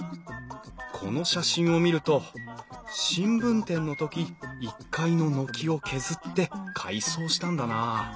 この写真を見ると新聞店の時１階の軒を削って改装したんだな。